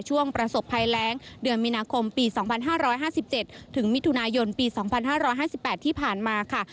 ประสบภัยแรงเดือนมีนาคมปี๒๕๕๗ถึงมิถุนายนปี๒๕๕๘ที่ผ่านมาค่ะ